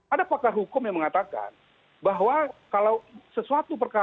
ada pakar hukum yang mengatakan bahwa kalau sesuatu perkara